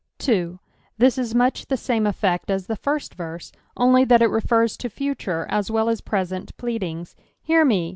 3. This is much to the same effect as the first verse, ooly that it refers to fnture as well as present pleadings. Hear me